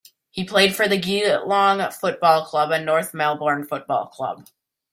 He played for the Geelong Football Club and North Melbourne Football Club.